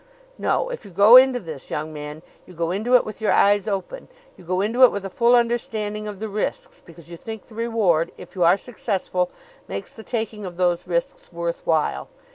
"No; if you go into this, young man, you go into it with your eyes open. You go into it with a full understanding of the risks because you think the reward, if you are successful, makes the taking of those risks worth while.